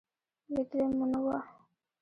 لېدلې مو نه وه.